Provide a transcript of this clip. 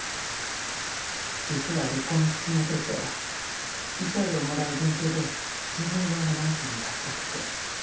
実は離婚進めてて慰謝料もらう前提で自分用のマンションも買っちゃってて。